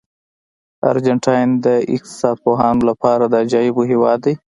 ارجنټاین د اقتصاد پوهانو لپاره د عجایبو هېواد دی.